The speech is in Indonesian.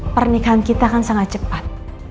pernikahan kita kan sangat cepat